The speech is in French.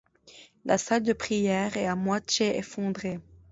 La salle de prière est à moitié effondrée.